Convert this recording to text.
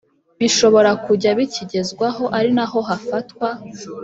Bishobora kujya bikigezwaho ari naho hafatwa